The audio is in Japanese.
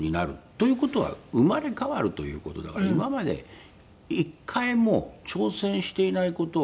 という事は生まれ変わるという事だから今まで１回も挑戦していない事をゼロから始めるべきだ」と。